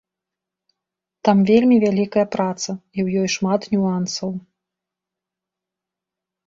Там вельмі вялікая праца, і ў ёй шмат нюансаў.